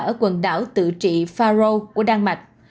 ở quần đảo tự trị faro của đan mạch